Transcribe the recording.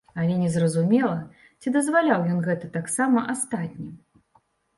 Але не зразумела, ці дазваляў ён гэта таксама астатнім.